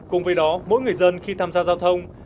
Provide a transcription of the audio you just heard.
cùng với đó mỗi người dân khi tham gia giao thông